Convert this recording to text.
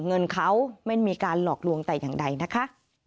เงินเขาไม่มีการหลอกลวงแต่อย่างใดนะคะ